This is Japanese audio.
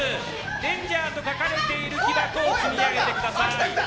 デンジャーと書かれている木箱を積み上げてください。